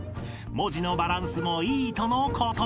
［文字のバランスもいいとのこと］